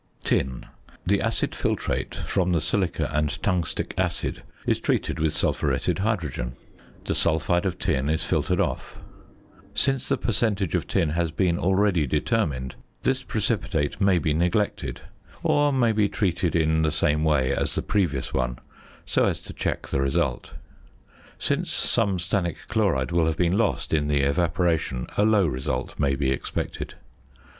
~Tin.~ The acid filtrate from the silica and tungstic acid is treated with sulphuretted hydrogen. The sulphide of tin is filtered off. Since the percentage of tin has been already determined, this precipitate may be neglected; or may be treated in the same way as the previous one, so as to check the result. Since some stannic chloride will have been lost in the evaporation, a low result may be expected.